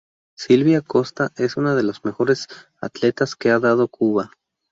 Silvia Costa es una de las mejores atletas que ha dado Cuba.